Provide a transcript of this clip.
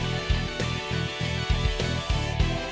rasain dulu dia terus